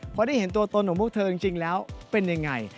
พอได้เห็นตัวตนของพวกเธอจริงแล้วเป็นยังไง